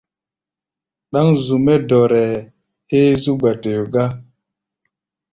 Ɗáŋ zu-mɛ́ dɔrɛɛ héé zú gba-toyo gá.